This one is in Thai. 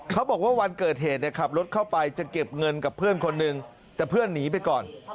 เขาบอกว่าวันเกิดเหตุขับรถเข้าไปจะเก็บเงินกับเพื่อนคนหนึ่งแต่เพื่อนหนีไปก่อน